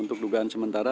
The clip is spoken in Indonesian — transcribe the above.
untuk dugaan sementara